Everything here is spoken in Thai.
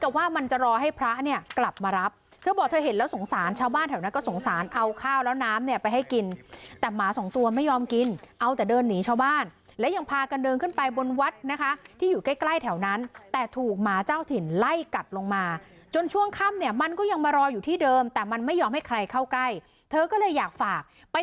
แต่ว่ามันจะรอให้พระเนี่ยกลับมารับเธอบอกเธอเห็นแล้วสงสารชาวบ้านแถวนั้นก็สงสารเอาข้าวแล้วน้ำเนี่ยไปให้กินแต่หมาสองตัวไม่ยอมกินเอาแต่เดินหนีชาวบ้านและยังพากันเดินขึ้นไปบนวัดนะคะที่อยู่ใกล้ใกล้แถวนั้นแต่ถูกหมาเจ้าถิ่นไล่กัดลงมาจนช่วงค่ำเนี่ยมันก็ยังมารออยู่ที่เดิมแต่มันไม่ยอมให้ใครเข้าใกล้เธอก็เลยอยากฝากไป